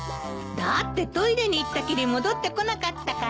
だってトイレに行ったきり戻ってこなかったから。